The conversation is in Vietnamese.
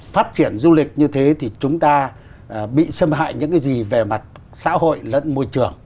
phát triển du lịch như thế thì chúng ta bị xâm hại những cái gì về mặt xã hội lẫn môi trường